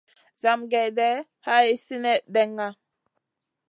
Zamagé day hay sinèh ɗenŋa.